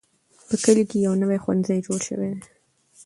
په کلي کې یو نوی ښوونځی جوړ شوی دی.